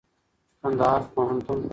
کنــدهـــار پوهنـتــون